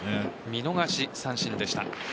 見逃し三振でした。